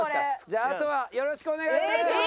じゃああとはよろしくお願いいたします。